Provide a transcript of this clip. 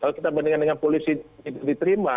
kalau kita bandingkan dengan polisi diterima